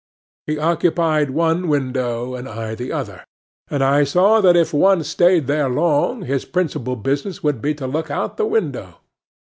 He occupied one window, and I the other; and I saw, that, if one stayed there long, his principal business would be to look out the window.